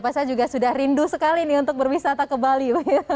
pasar juga sudah rindu sekali nih untuk berwisata ke bali